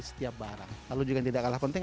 setiap barang lalu juga yang tidak kalah penting